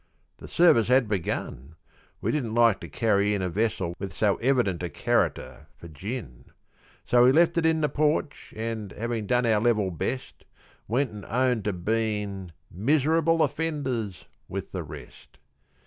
The service had begun we didn't like to carry in A vessel with so evident a carritur for gin; So we left it in the porch, an', havin' done our level best, Went an' owned to bein' "mis'rable offenders" with the rest.